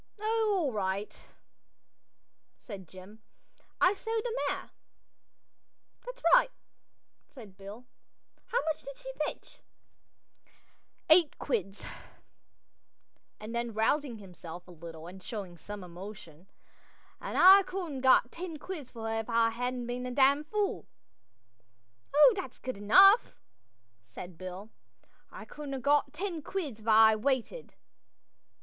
"Oh, all right," said Jim. "I sold the mare." "That's right," said Bill. "How much did she fetch?" "Eight quid;" then, rousing himself a little and showing some emotion, "An' I could 'a' got ten quid for her if I hadn't been a dam' fool." "Oh, that's good enough," said Bill. "I could 'a' got ten quid if I'd 'a' waited."